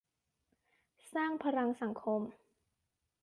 สร้างพลังสังคม